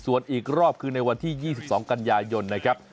ส่วนอีกรอบคือในวันที่๒๒กันยายนนะครับ